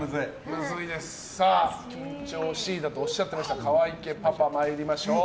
緊張しいだとおっしゃってました河合家パパ参りましょう。